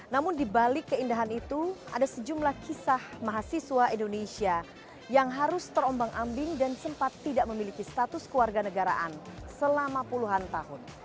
namun dibalik keindahan itu ada sejumlah kisah mahasiswa indonesia yang harus terombang ambing dan sempat tidak memiliki status keluarga negaraan selama puluhan tahun